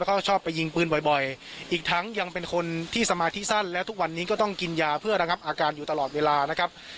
แล้วก็ชอบไปยิงปืนบ่อยอีกทั้งยังเป็นคนที่สมาธิสั้นและทุกวันนี้ก็ต้องกินยาเพื่อระงับอาการอยู่ตลอดเวลานะครับ